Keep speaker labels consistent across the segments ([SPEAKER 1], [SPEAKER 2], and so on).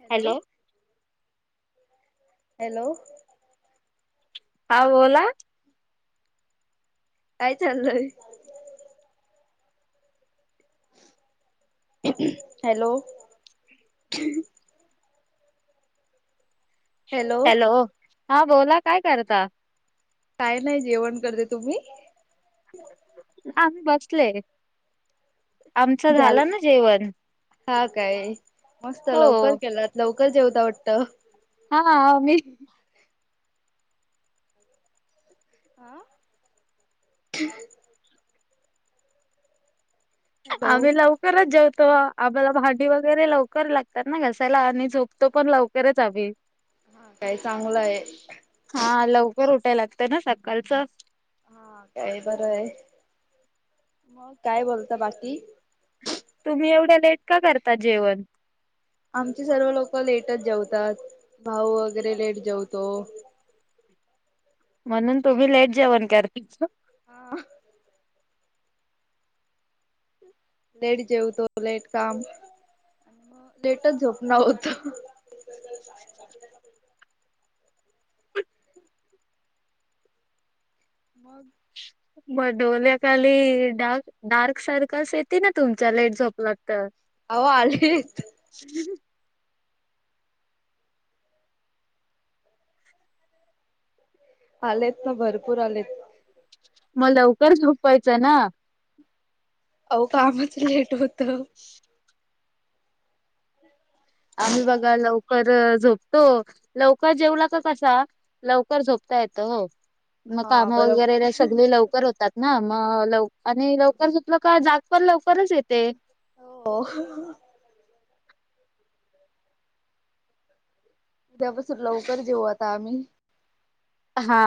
[SPEAKER 1] Hello hello
[SPEAKER 2] हा बोला
[SPEAKER 1] काय चाललं आहे. हॅलो हॅलो
[SPEAKER 2] हा बोला काय करता.
[SPEAKER 1] काय नाही जेवण करते तुम्ही
[SPEAKER 2] आम्ही बसले आमचा
[SPEAKER 1] झाल
[SPEAKER 2] झाला ना जेवण
[SPEAKER 1] हा काय मस्त
[SPEAKER 2] हो
[SPEAKER 1] लवकर केलात लवकर जेवत वाटत.
[SPEAKER 2] हा मी
[SPEAKER 1] आा हॅलो
[SPEAKER 2] आम्ही लवकरच जेवतो आम्हाला भांडी वगैरे लवकर लागते. तर ना घसायला आणि झोपतो पण लवकरच हवी्
[SPEAKER 1] काय चांगलं आहे
[SPEAKER 2] हा लवकर उठायला लागत ना सकाळच
[SPEAKER 1] हा काय बरं आहे मग काय बोलत बाकी
[SPEAKER 2] तुम्ही एवढ्या लेट का करता जेवण
[SPEAKER 1] आमचे सर्व लोक लेटच जेवतात भाऊ वगैरे लेट जेवतो.
[SPEAKER 2] ह म्हणून तुम्ही लेट जेवण कर तिच
[SPEAKER 1] हा लेट जेवत लेट काम म लेटच झोप न होतं.
[SPEAKER 2] [unintelligible]
[SPEAKER 1] मग
[SPEAKER 2] म डोल्याखाली डार्क डार्क सर्कल्स येते ना तुमच्या लाईट झोपले तर
[SPEAKER 1] अहो आलेत. आलेत ना भरपूर आलेत.
[SPEAKER 2] मग लवकर झोपवायचं ना
[SPEAKER 1] अह कामच लेट होत.
[SPEAKER 2] आम्ही बघा ल कर झोपतो लवकर जेवला का कसा लवकर झोपता येतं हो मग
[SPEAKER 1] हा
[SPEAKER 2] काम
[SPEAKER 1] बरोबर.
[SPEAKER 2] वगैरे सगळे लवकर होतात. मग आणि लवकर झोपलं का जाग पण लवकर
[SPEAKER 1] हो उद्यापासून लवकर देेऊ आता आम्ही
[SPEAKER 2] हा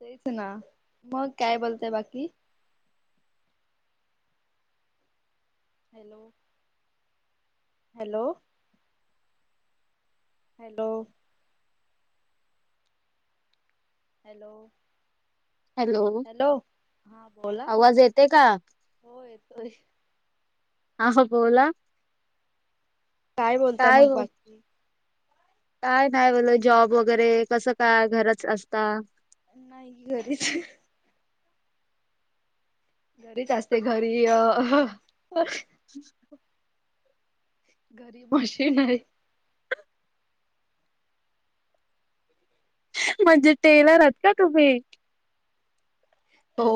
[SPEAKER 1] तेच ना मग काय बोलतय बाकी hello hello hello hello! Hello हा बोला
[SPEAKER 2] आवाज येते का
[SPEAKER 1] हो येतोय.
[SPEAKER 2] आो बला!
[SPEAKER 1] काय बोलता मग बाकीकी.
[SPEAKER 2] काय नाही बलं जॉब वगैरे कसं काय घरच असता.
[SPEAKER 1] नाही घरीच. घरीच असते घरी अ..
[SPEAKER 2] हम् [inaudible]
[SPEAKER 1] घरी मशीन आहे.
[SPEAKER 2] म्हणजे टेलरात का तुम्ही?
[SPEAKER 1] हो.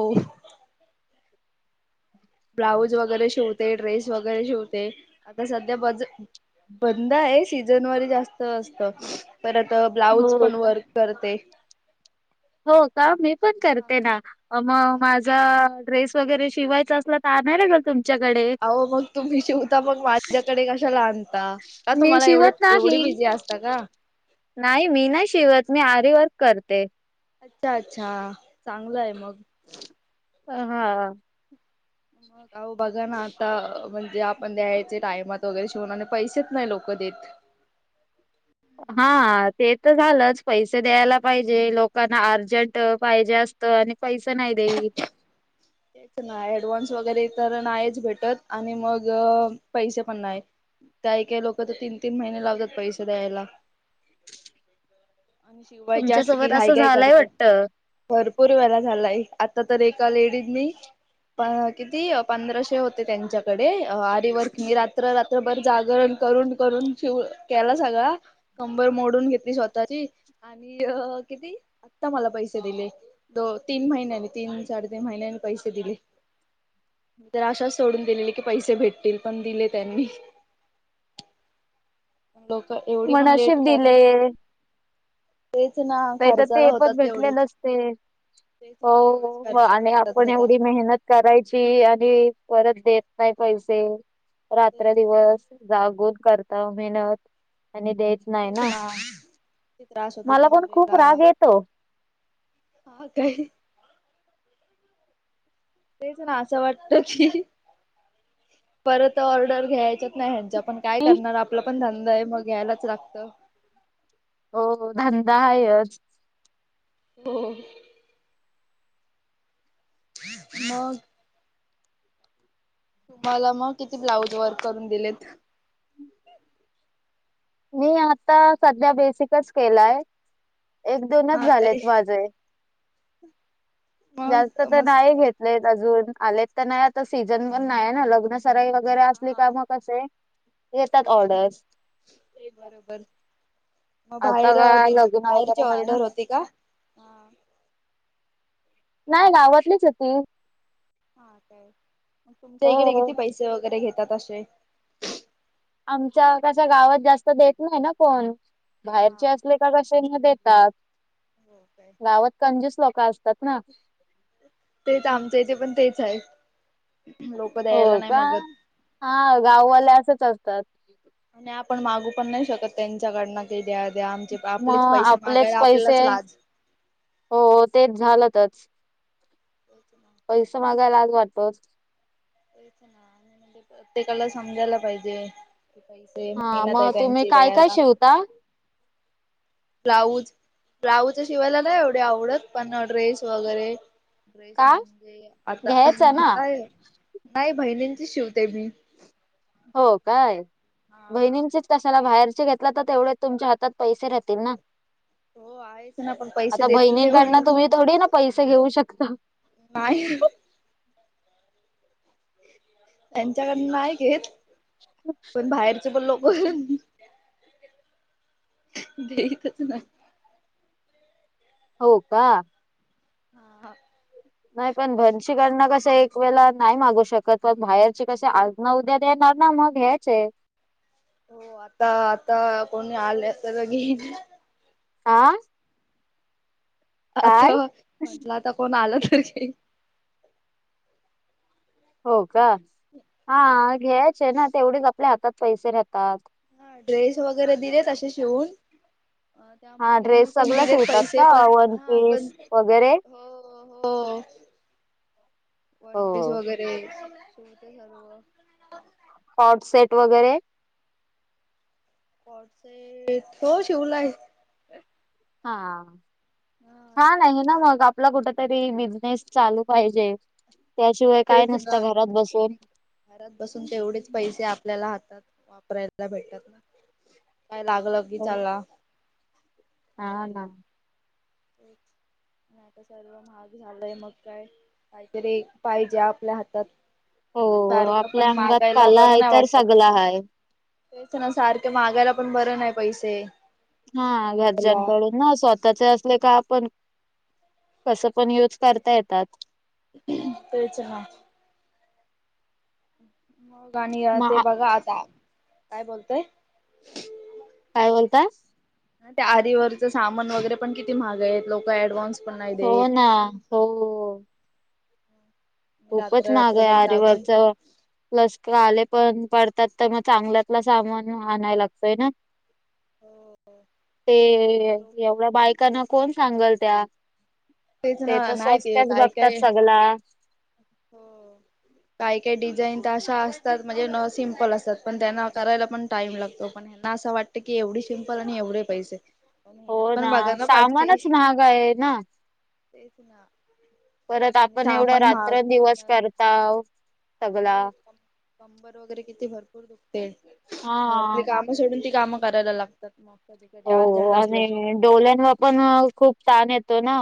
[SPEAKER 1] ब्लाऊज वगैरे शिवते ड्रेस वगैरे शिवते आता सध्या बज.. बंद आहे सीजन व जास्त असस्त. परत ब्लाऊज
[SPEAKER 2] हो
[SPEAKER 1] पण
[SPEAKER 2] का
[SPEAKER 1] वर्क करते.
[SPEAKER 2] हो का मी पण करते ना. मग माझा ड्रेस वगैरे शिवायचा असला तरणार आहे ग तुम..
[SPEAKER 1] अहो मग तुम्ही जेवता मग माझ्याकडे कशा ला आणता का
[SPEAKER 2] मी
[SPEAKER 1] तुम्हाला एवढ
[SPEAKER 2] शिवत
[SPEAKER 1] एवढी..
[SPEAKER 2] नाही
[SPEAKER 1] बिझी असत का?
[SPEAKER 2] नाही मी ना शिवत मी आरी वर्क करते.
[SPEAKER 1] अच्छा अच्छा चांगलं आहे मग.
[SPEAKER 2] अ हा.
[SPEAKER 1] म मग अ बग ना आता म्ह.. जे आपण द्यायचे टायमात वगैरे शिवणा आणि पैसेच नाही लोक देत.
[SPEAKER 2] हा ते तर झालंच पैसे द्यायला पाहिजे लोकांना अर्जंट पाहिजे असतं आणि.. पैसा नाही दे.
[SPEAKER 1] [unintelligible] एकच नाही ऍडव्हान्स वगैरे तर नाहीच भेटत आणि मग पैसे पण नाही. काही काही लोक तर तीन तीन महिने लागतात पैसे द्यायला. आणि शिवायच्या अस की
[SPEAKER 2] तुमच्यासोबत
[SPEAKER 1] घाई
[SPEAKER 2] असं
[SPEAKER 1] कााय
[SPEAKER 2] झालंय
[SPEAKER 1] करतात
[SPEAKER 2] वाटतं.
[SPEAKER 1] भरपूर वेळा झालाय. आता.. तर एका लेडीजनी पा किती पंधराशे होते त्यांच्याकडे अ आरी वर्क मी रात्र रात्र रात्रबर जागरण करून करून, शिव केला सगळा कंबर मोडून घेतली स्वतःची आणि अ किती आता मला पैसे दिले, दो तीन महिन्यानी तीन साडेतीन महिन्यांनी पैसे दिले. तर आशाच सोडून दिलेली की, पैसे भेटतील पण दिले त्यांनी. लोक एवढी पण लेट
[SPEAKER 2] मनाशीब
[SPEAKER 1] कराल.
[SPEAKER 2] दिले
[SPEAKER 1] तेच ना
[SPEAKER 2] नाही तर
[SPEAKER 1] खर्चाला
[SPEAKER 2] ते
[SPEAKER 1] होतात
[SPEAKER 2] पण भेटले
[SPEAKER 1] तेवढेच.
[SPEAKER 2] नसते
[SPEAKER 1] तेच ना, तेवढेच काय झाला होता.
[SPEAKER 2] पण एवढी मेहनत करायची आणि परत देत नाही पैसे. रात्र
[SPEAKER 1] तेच ना
[SPEAKER 2] दिवस जागून करताव मेहनत. आणि द्यायच नाही
[SPEAKER 1] तेच
[SPEAKER 2] ना,
[SPEAKER 1] किती त्रास होतो
[SPEAKER 2] मला पण खूप
[SPEAKER 1] कमरेला
[SPEAKER 2] राग येतो.
[SPEAKER 1] हा काय? तेच ना असं वाटत की परत ऑर्डर घ्यायच्यात नाही ह्यांच्या, पण काय
[SPEAKER 2] की
[SPEAKER 1] करणार? आपला पण धंदा आहे मग घ्यायलाच लागत. [inaudible]
[SPEAKER 2] हो धंदा हायच.
[SPEAKER 1] हो. मग. तुम्हाला मग किती ब्लाऊज वर्क करून दिलेत?
[SPEAKER 2] मी आता सध्या बेसिकच केलाय. एक दोनच
[SPEAKER 1] हा काय
[SPEAKER 2] झालेत माझे? जास्त
[SPEAKER 1] मग
[SPEAKER 2] तर
[SPEAKER 1] मस्त
[SPEAKER 2] नाही घेतलेत अजून, आलेत तर नाही आता सीझन पण नाही ना लग्ना सरांई वगैरे असली
[SPEAKER 1] हा
[SPEAKER 2] का? म कसे येतात
[SPEAKER 1] हो
[SPEAKER 2] ऑर्डर.
[SPEAKER 1] बरं. बरोबर. मग
[SPEAKER 2] आता
[SPEAKER 1] बाहेर
[SPEAKER 2] काय
[SPEAKER 1] दिली,
[SPEAKER 2] लग्न
[SPEAKER 1] बाहेरची
[SPEAKER 2] वगैरे नाही ना.
[SPEAKER 1] ऑर्डर होती का?
[SPEAKER 2] नाही गावातलीच होती.
[SPEAKER 1] हा काय? तुमच्या इकडे किती
[SPEAKER 2] हो
[SPEAKER 1] पैसे वगैरे घेतात आसे?
[SPEAKER 2] आमच्या कशा गावात जास्त देत नाही ना कोण? बाहेरचे
[SPEAKER 1] हा
[SPEAKER 2] असले का कसे म देतात.
[SPEAKER 1] हो काय.
[SPEAKER 2] गावात कंजूस लोक असतात ना.
[SPEAKER 1] तेच आमच्या इथे पण तेच हाय.
[SPEAKER 2] हो का? हा गाववाले असेच असतात.
[SPEAKER 1] आणि आपण मागू पण नाही शकत, त्यांच्याकडन हे द्या द्या आमचे, आपलेच
[SPEAKER 2] मग
[SPEAKER 1] पैसे
[SPEAKER 2] आपलेच
[SPEAKER 1] मागायला
[SPEAKER 2] पैसे
[SPEAKER 1] आपल्यालाच लाज.
[SPEAKER 2] हो तेच
[SPEAKER 1] काय ते?
[SPEAKER 2] पैसा मागायला लाज वाटतेच.
[SPEAKER 1] द्यायचं ना आणि म्हणजे प्रत्येकाला समजायला पाहिजे. की पैसे
[SPEAKER 2] हा
[SPEAKER 1] मेहनत आहे
[SPEAKER 2] मग तुम्ही
[SPEAKER 1] त्यांची
[SPEAKER 2] काय काय
[SPEAKER 1] द्यायला.
[SPEAKER 2] शिवता?
[SPEAKER 1] ब्लाऊज, ब्लाऊज अ शिवायला नाही एवढे आवडत पण, ड्रेस वगैरे ड्रेस
[SPEAKER 2] का
[SPEAKER 1] म्हणजे आता [inaudible]
[SPEAKER 2] घ्यायचा ना
[SPEAKER 1] नाही, नाही बहिणींच शिवते मी.
[SPEAKER 2] हो काय
[SPEAKER 1] हा.
[SPEAKER 2] बहिणींचेच कशाला बाहेर चे घेतला तर, तेवढे तुमच्या हातात पैसे राहतील ना.
[SPEAKER 1] हो आहेच ना पण पैसे
[SPEAKER 2] आता
[SPEAKER 1] देतील तेव्हा
[SPEAKER 2] बहिणींकडन तुम्ही थोडी ना पैसे घेऊ शकता.
[SPEAKER 1] नाय. त्यांच्याकडन नाय घेत, पण बाहेरचे पण लोक देतच नाही.
[SPEAKER 2] हो का?
[SPEAKER 1] हा.
[SPEAKER 2] नाही पण, भनशीकडन कस एक वेळा नाही मागू शकत, प बाहेरची कस आज ना उद्या देणार. त्यांना मग घ्यायाचे
[SPEAKER 1] हो आता, आता कोणी आलं तर घेईन?
[SPEAKER 2] आं
[SPEAKER 1] आता म्हटलं, आता कोण आला तर घेईन?
[SPEAKER 2] हो का हा हा घ्यायचे ना, तेवढेच आपल्या हातात पैसे राहतात.
[SPEAKER 1] ड्रेस वगैरे दिले तसे शिवून अ त्या
[SPEAKER 2] हा
[SPEAKER 1] मुलींनी
[SPEAKER 2] ड्रेस
[SPEAKER 1] पण
[SPEAKER 2] सगळ
[SPEAKER 1] दिलेत
[SPEAKER 2] शिवतात
[SPEAKER 1] पैसे
[SPEAKER 2] का?
[SPEAKER 1] पण
[SPEAKER 2] वन
[SPEAKER 1] हा
[SPEAKER 2] पीस
[SPEAKER 1] पण
[SPEAKER 2] वगैरे
[SPEAKER 1] हो हो वनपीस
[SPEAKER 2] हो
[SPEAKER 1] वगैरे. तुमचे सर्व
[SPEAKER 2] कॉट सेट वगैरे
[SPEAKER 1] कॉट सेट, हो शिवलाय.
[SPEAKER 2] हा, हा नाही ना मग आप आपला कुठ तरी बिझनेस चालू पाहिजे. त्याशिवाय काय
[SPEAKER 1] तेच ना,
[SPEAKER 2] नसतं घरात बसून
[SPEAKER 1] घरात बसून तेवढेच पैसे आपल्याला हातात वापरायला भेटतात ना, काय लागलं की चला?
[SPEAKER 2] हा ना.
[SPEAKER 1] आणायला आता सर्व महाग झालंय, मग काय कायतरी पाहिजे आपल्या हातात.
[SPEAKER 2] हो
[SPEAKER 1] सारखं
[SPEAKER 2] आपल्या
[SPEAKER 1] पण
[SPEAKER 2] अंगात
[SPEAKER 1] मागायला
[SPEAKER 2] काला
[SPEAKER 1] बर
[SPEAKER 2] आहे
[SPEAKER 1] नाही
[SPEAKER 2] तर
[SPEAKER 1] वाटत.
[SPEAKER 2] सगला हाय
[SPEAKER 1] तेच ना, सारखे मागायला पण बरं नाही पैसे
[SPEAKER 2] हा
[SPEAKER 1] दहावेला
[SPEAKER 2] घरच्यांकडून ना, स्वतःचे असले का आपण कस पण युज
[SPEAKER 1] ते
[SPEAKER 2] करता येतात.
[SPEAKER 1] तेच म गानिया
[SPEAKER 2] म
[SPEAKER 1] ते बघा आता, काय बोलतय?
[SPEAKER 2] काय म्हणताय?
[SPEAKER 1] त्या आरी वरच सामान वगैरे पण किती महाग आहेत, लोकं ॲडव्हान्स
[SPEAKER 2] हो ना, हो. खूपच
[SPEAKER 1] रात्र
[SPEAKER 2] महाग हाय
[SPEAKER 1] रात्रभर
[SPEAKER 2] आरी
[SPEAKER 1] जागून
[SPEAKER 2] वर्कच, प्लस आले पण पडतात तर मग चांगल्यातला सामान आणायला लागतंय ना. ते एवढ्या बायकांना कोण सांगलत्या.
[SPEAKER 1] तेच
[SPEAKER 2] ते
[SPEAKER 1] ना
[SPEAKER 2] तर
[SPEAKER 1] नाही ते
[SPEAKER 2] स्वस्त्याच
[SPEAKER 1] काय
[SPEAKER 2] बघतात
[SPEAKER 1] काय
[SPEAKER 2] सगला.
[SPEAKER 1] हो काही काही डिझाईन तर अशा असतात म्हणजे न सिम्पल असतात, पण त्यांना करायला पण टाइम लागतो. पण ह्यांना असं वाटतं की एवढे सिम्पल आणि एवढे पैसे. पण
[SPEAKER 2] हो
[SPEAKER 1] मेहनत पण बघा ना पाटची,
[SPEAKER 2] सामानच महाग आहे ना
[SPEAKER 1] तेच ना.
[SPEAKER 2] परत
[SPEAKER 1] आणि
[SPEAKER 2] आपण एवढ्या
[SPEAKER 1] सामान महाग
[SPEAKER 2] रात्रंदिवस
[SPEAKER 1] मेहनत
[SPEAKER 2] करताव.
[SPEAKER 1] आणि
[SPEAKER 2] सगला
[SPEAKER 1] हो कम कंबर वगैरे किती भरपूर दुखते,
[SPEAKER 2] हा
[SPEAKER 1] घरातले कामं सोडून ती कामं करायला लागतात. मग कधी कधी
[SPEAKER 2] हो
[SPEAKER 1] अर्जंट
[SPEAKER 2] अ
[SPEAKER 1] असलं की.
[SPEAKER 2] नाय, डोल्यांवरही खूप तान येतो ना.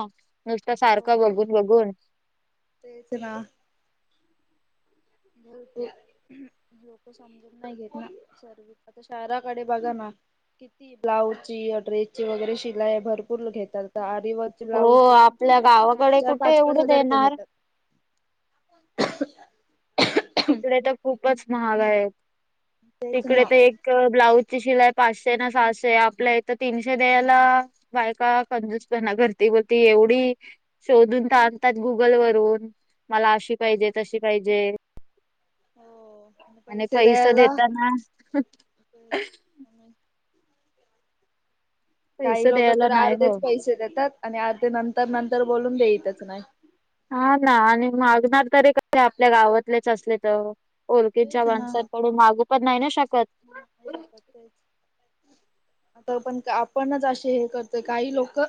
[SPEAKER 2] नुसतं सारखं
[SPEAKER 1] हो.
[SPEAKER 2] बघून बघून.
[SPEAKER 1] तेच ते लोकं समजून नाय घेत ना, सर्वे आता शहराकडे बघा ना किती ब्लाउजची अ ड्रेसची वगैरे शिलाई भरपूर घेतात आ
[SPEAKER 2] हो
[SPEAKER 1] [unintelligible] चे पण
[SPEAKER 2] आपल्या
[SPEAKER 1] चार
[SPEAKER 2] गावाकडे
[SPEAKER 1] चार
[SPEAKER 2] कुठे
[SPEAKER 1] पाच पाच
[SPEAKER 2] एवढे
[SPEAKER 1] हजार रुपये
[SPEAKER 2] देणार
[SPEAKER 1] घेतात. [unintelligible]
[SPEAKER 2] तिकडे तर खूपच महाग आहे,
[SPEAKER 1] तेच
[SPEAKER 2] तिकडे
[SPEAKER 1] ना.
[SPEAKER 2] तर एक ब्लाउ ची शिलाई पाचशे का सहाशे आहे, आपल्या इथं तीनशे देयला बायका कंजूसपणा करती बोलती, एवढी शोधून तर आणतात गुगल वरून. मला अशी
[SPEAKER 1] तेच
[SPEAKER 2] पाहिजे तशी पाहिजे.
[SPEAKER 1] हो
[SPEAKER 2] आणि
[SPEAKER 1] पैसे
[SPEAKER 2] पैसं
[SPEAKER 1] द्यायला
[SPEAKER 2] देताना
[SPEAKER 1] तेच काही
[SPEAKER 2] पैसे
[SPEAKER 1] लोकं
[SPEAKER 2] द्यायला
[SPEAKER 1] तर
[SPEAKER 2] नाही
[SPEAKER 1] अर्धेच
[SPEAKER 2] हो
[SPEAKER 1] पैसे देतात, आणि अर्धे नंतर नंतर बोलून देईतच नाही.
[SPEAKER 2] हा ना आणि मागणार तरी कसे आपल्या गावातलेच असले तर ओर्गिडच्या माणसांकडून मागू पण नाही शकत
[SPEAKER 1] शपथच आता पण आपणच असे हे करतोय काही लोक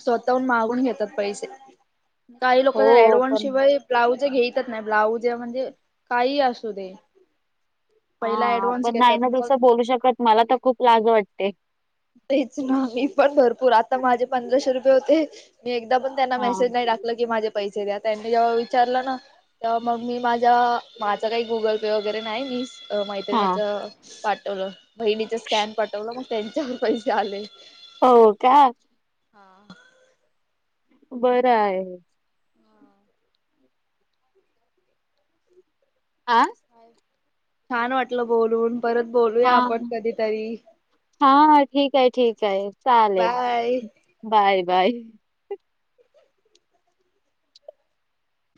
[SPEAKER 1] स्वतःहून मागून घेतात पैसे काही लोक तर
[SPEAKER 2] हो
[SPEAKER 1] ऍडव्हान्स
[SPEAKER 2] पण
[SPEAKER 1] शिवाय ब्लाऊज घेतच नाही ब्लाऊजे म्हण म्हण काही असू दे
[SPEAKER 2] हा
[SPEAKER 1] पहिला ऍडव्हान्स
[SPEAKER 2] आपण नाही
[SPEAKER 1] घेतात
[SPEAKER 2] ना तुस
[SPEAKER 1] मग
[SPEAKER 2] बोलू शकत मला तर खूप लाज वाटते
[SPEAKER 1] तेच ना मी पण भरपूर आता माझे पंधराशे रुपये होते मी एकदा पण त्यांना
[SPEAKER 2] हा
[SPEAKER 1] मेसेज नाही टाकलं की माझे पैसे द्या त्यांनी जेव्हा विचारलं ना तर मग मी माझा माझं काही गुगल पे वगैरे नाही मीस
[SPEAKER 2] हा
[SPEAKER 1] मैत्रिणीच पाठवलं बहिणीच स्कॅन पाठवलं मग त्यांच्यावर पैसे आले
[SPEAKER 2] हो का
[SPEAKER 1] हा
[SPEAKER 2] बरं आहे
[SPEAKER 1] हा
[SPEAKER 2] आ
[SPEAKER 1] छान वाटलं बोलून परत
[SPEAKER 2] हा
[SPEAKER 1] बोलूया आपण कधीतरी
[SPEAKER 2] हा हा ठीक आहे ठीक काय चालेल
[SPEAKER 1] बाय
[SPEAKER 2] बाय बाय